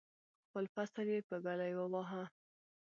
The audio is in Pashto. خپل فصل یې په ږلۍ وواهه.